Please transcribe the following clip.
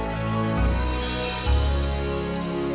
terima kasih pak